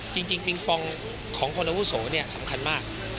จริงปิงปองของคนอาวุโสสำคัญมาก